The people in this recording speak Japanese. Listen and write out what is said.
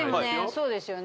そうですよね